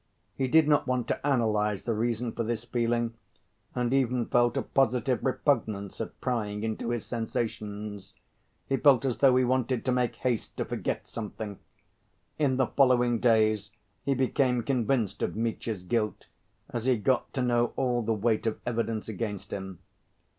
He did not want to analyze the reason for this feeling, and even felt a positive repugnance at prying into his sensations. He felt as though he wanted to make haste to forget something. In the following days he became convinced of Mitya's guilt, as he got to know all the weight of evidence against him.